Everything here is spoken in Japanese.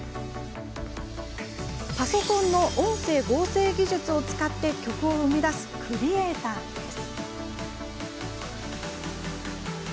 パソコンの音声合成技術を使って曲を生み出すクリエーターです。